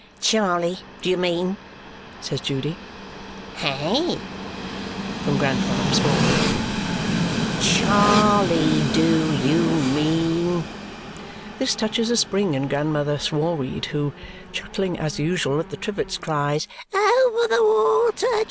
"Charley, do you mean?" says Judy. "Hey?" from Grandfather Smallweed. "Charley, do you mean?" This touches a spring in Grandmother Smallweed, who, chuckling as usual at the trivets, cries, "Over the water!